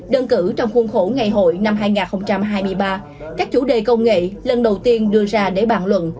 đơn cử trong khuôn khổ ngày hội năm hai nghìn hai mươi ba các chủ đề công nghệ lần đầu tiên đưa ra để bàn luận